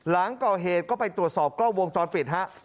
หลังก่อเหตุก็ไปตรวจสอบกล้องวงจรปิดฮะ